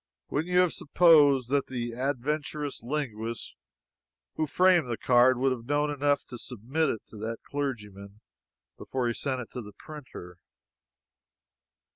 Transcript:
Wouldn't you have supposed that the adventurous linguist who framed the card would have known enough to submit it to that clergyman before he sent it to the printer?